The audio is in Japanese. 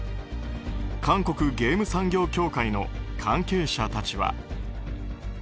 韓国ゲーム産業協会の関係者たちは。